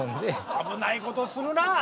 危ないことするな。